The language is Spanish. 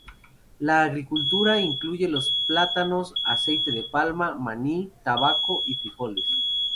La agricultura incluye los plátanos, aceite de palma, maní, tabaco y frijoles.